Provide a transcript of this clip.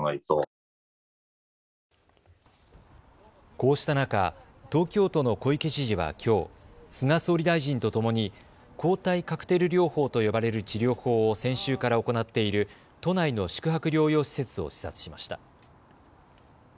こうした中、東京都の小池知事はきょう菅総理大臣とともに抗体カクテル療法と呼ばれる治療法を先週から行っている都内の宿泊療養施設を視察しました。